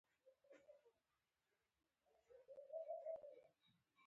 زه له هیواد سره مینه لرم